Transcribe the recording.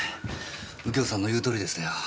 右京さんの言うとおりでしたよ。